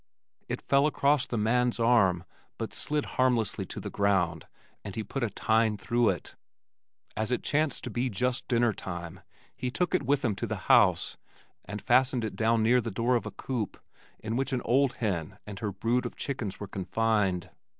It fell across the man's arm but slid harmlessly to the ground, and he put a tine through it. As it chanced to be just dinner time he took it with him to the house and fastened it down near the door of a coop in which an old hen and her brood of chickens were confined.